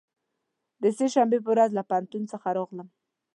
د سه شنبې په ورځ له پوهنتون څخه راغلم.